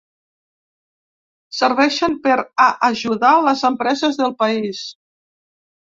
Serveixen per a ajudar les empreses del país.